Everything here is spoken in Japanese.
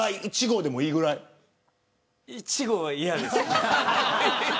１号は嫌です。